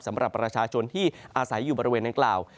สำหรับประชาชนที่อาศัยอยู่บริเวณดังกล่าว